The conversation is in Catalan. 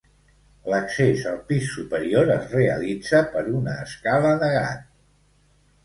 L'accés al pis superior es realitza per una escala de gat.